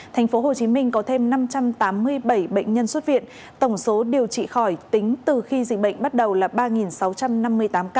tp hcm có thêm năm trăm tám mươi bảy bệnh nhân xuất viện tổng số điều trị khỏi tính từ khi dịch bệnh bắt đầu là ba sáu trăm năm mươi tám ca